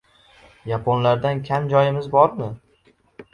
Yaponlardan kam joyimiz bormi?